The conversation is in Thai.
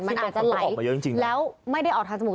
มันอาจจะไหลแล้วไม่ได้ออกทางจมูก